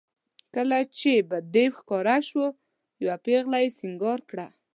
کله چې به دېو ښکاره شو یوه پېغله یې سینګار کړه.